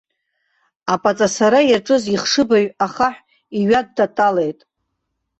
Аԥаҵасара иаҿыз ихшыбаҩ ахаҳә иҩадтаталеит.